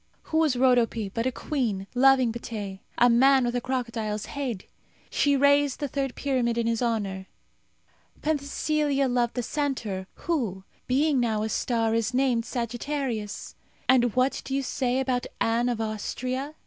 Who was Rodope but a queen loving Pteh, a man with a crocodile's head? She raised the third pyramid in his honour. Penthesilea loved the centaur, who, being now a star, is named Sagittarius. And what do you say about Anne of Austria?